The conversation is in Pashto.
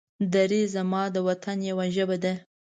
دري زما د وطن يوه ژبه ده.